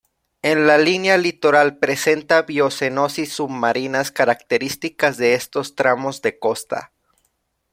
En la línea litoral presenta biocenosis submarinas características de estos tramos de costa.